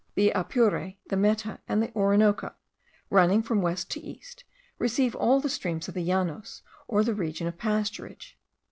The Apure, the Meta, and the Orinoco, running from west to east, receive all the streams of the llanos, or the region of pasturage.